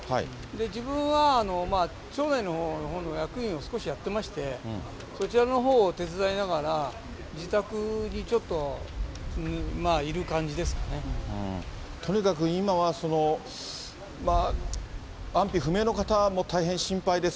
自分は町内のほうの役員を少しやってまして、そちらのほうを手伝いながら、とにかく今は、安否不明の方も大変心配です。